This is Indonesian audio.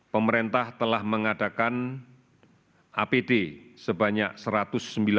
pemerintah telah mengadakan apd sebanyak satu ratus sembilan puluh satu enam ratus enam puluh enam set